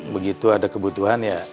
begitu ada kebutuhan ya